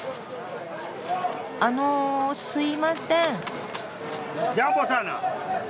あのすいません。